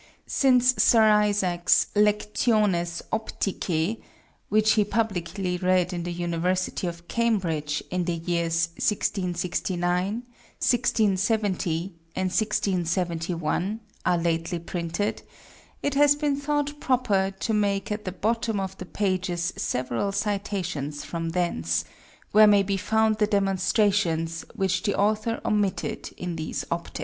Since Sir_ Isaac's Lectiones Opticæ, which he publickly read in the University of Cambridge _in the Years 1669, 1670, and 1671, are lately printed, it has been thought proper to make at the bottom of the Pages several Citations from thence, where may be found the Demonstrations, which the Author omitted in these_ Opticks.